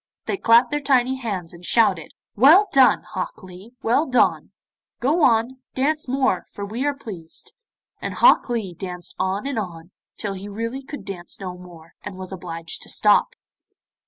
They clapped their tiny hands, and shouted, 'Well done, Hok Lee, well done, go on, dance more, for we are pleased.' And Hok Lee danced on and on, till he really could dance no more, and was obliged to stop.